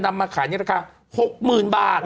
นำมาขายแขนนี้ราคาหกหมื่นบาท